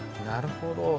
なるほど。